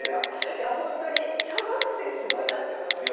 いやほんとに小学生すごいなって思いました。